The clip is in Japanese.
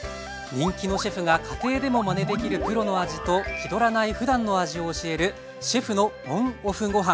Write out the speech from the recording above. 人気のシェフが家庭でもまねできるプロの味と気取らないふだんの味を教える「シェフのＯＮ＆ＯＦＦごはん」。